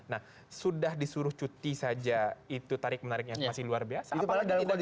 nah sudah disuruh cuti saja itu tarik menariknya masih luar biasa